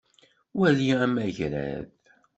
Wali amagrad.